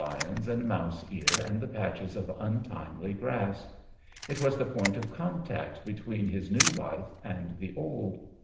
ions and mouse ear and the patches of untimely grass. It was the point of contact between his new life and the old.